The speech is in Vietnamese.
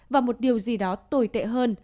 và một điều gì đó tồi tệ hơn